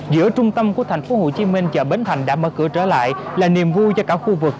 giữa trung tâm của thành phố hồ chí minh chợ bến thành đã mở cửa trở lại là niềm vui cho cả khu vực